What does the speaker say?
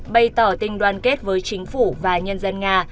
bày tỏ tình đoàn kết với chính phủ và nhân dân nga